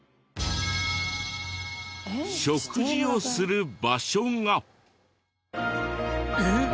食事をする場所が。えっ！？